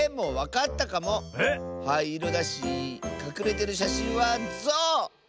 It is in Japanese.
はいいろだしかくれてるしゃしんはゾウ！